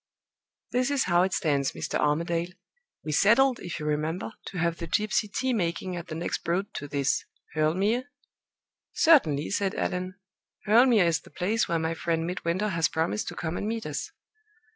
This is how it stands, Mr. Armadale. We settled, if you remember, to have the gypsy tea making at the next 'Broad' to this Hurle Mere?" "Certainly," said Allan. "Hurle Mere is the place where my friend Midwinter has promised to come and meet us."